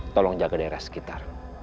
tolong jaga daerah sekitar